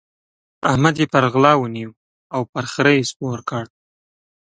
احمد يې پر غلا ونيو او پر خره يې سپور کړ.